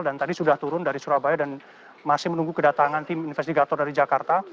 tadi sudah turun dari surabaya dan masih menunggu kedatangan tim investigator dari jakarta